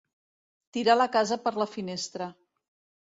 Tirar la casa per la finestra.